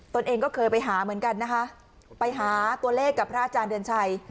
ตัวเองก็เคยไปหาเหมือนกันนะคะไปหาตัวเลขกับพระอาจารย์เดือนชัย